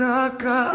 aku akan pergi